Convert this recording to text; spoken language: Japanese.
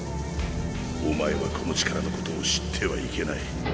お前はこの力のことを知ってはいけない。